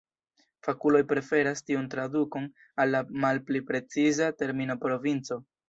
Fakuloj preferas tiun tradukon al la malpli preciza termino provinco.